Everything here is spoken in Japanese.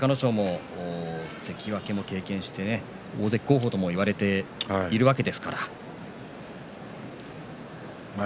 隆の勝は関脇も経験して４大関候補と言われているわけですから。